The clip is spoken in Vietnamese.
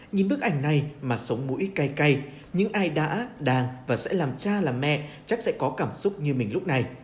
nhìn bức ảnh này mà sống mũi cai cay những ai đã đang và sẽ làm cha làm mẹ chắc sẽ có cảm xúc như mình lúc này